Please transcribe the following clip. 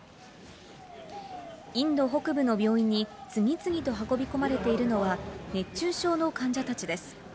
インド北部の病院に次々と運び込まれているのは、熱中症の患者たちです。